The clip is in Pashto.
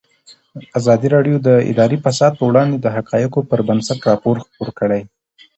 ازادي راډیو د اداري فساد په اړه د حقایقو پر بنسټ راپور خپور کړی.